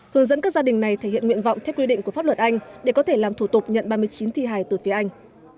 hướng dẫn các gia đình này thể hiện nguyện vọng theo quy định của pháp luật anh để có thể làm thủ tục nhận ba mươi chín thi hài từ phía anh